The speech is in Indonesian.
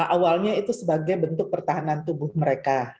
awalnya itu sebagai bentuk pertahanan tubuh mereka